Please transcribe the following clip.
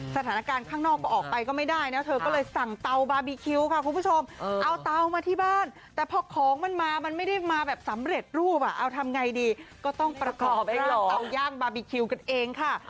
สถานการณ์ข้างนอกก็ออกไปก็ไม่ได้นะเธอก็เลยสั่งเตาบาร์บีคิวค่ะคุณผู้ชมเอาเตามาที่บ้านแต่พอของมันมามันไม่ได้มาแบบสำเร็จรูปอ่ะเอาทำไงดีก็ต้องประกอบไปด้วยเตาย่างบาร์บีคิวกันเองค่ะ